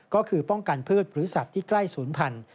ก็คือป้องกันพืชหรือสัตว์ที่ใกล้ศูนย์พันธุ